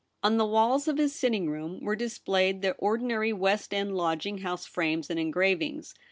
On the walls of his sitting room were dis played the ordinary West End lodging house frames and engravings.